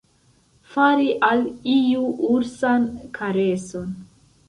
Fari al iu ursan kareson.